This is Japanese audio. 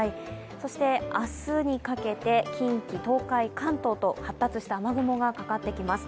そして明日にかけて近畿、東海、関東と発達した雨雲がかかってきます。